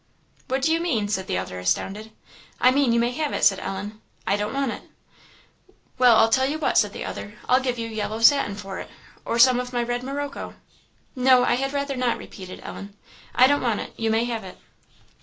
"What do you mean?" said the other, astounded. "I mean you may have it," said Ellen "I don't want it." "Well, I'll tell you what," said the other "I'll give you yellow satin for it or some of my red morocco!" "No, I had rather not," repeated Ellen; "I don't want it you may have it."